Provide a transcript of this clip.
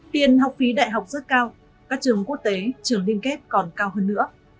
tiền học phí đại học rất cao các trường quốc tế trường liên kết còn cao hơn nữa